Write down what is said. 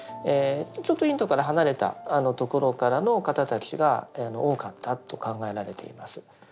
ちょっとインドから離れた所からの方たちが多かったと考えられています。